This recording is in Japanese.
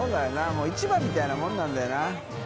もう市場みたいなもんなんだよな